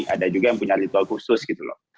ada juga yang punya ritual khusus gitu loh